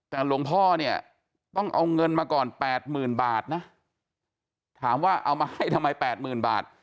แต่หลวงพ่อเนี่ยต้องเอาเงินมาก่อน๘๐๐๐บาทนะถามว่าเอามาให้ทำไม๘๐๐๐บาท